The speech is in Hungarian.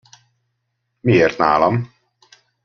Miért nálam?